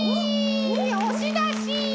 おしだし！